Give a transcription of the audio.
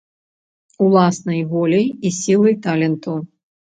Уласнай воляй і сілай таленту.